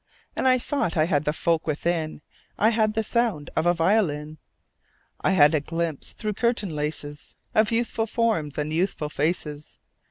And I thought I had the folk within: I had the sound of a violin; I had a glimpse through curtain laces Of youthful forms and youthful faces.